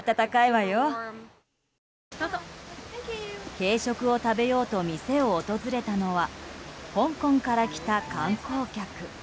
軽食を食べようと店を訪れたのは香港から来た観光客。